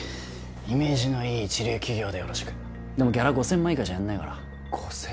イメージのいい一流企業でよろしくでもギャラ５０００万以下じゃやんないから５０００万